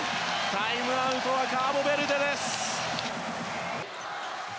タイムアウトはカーボベルデです。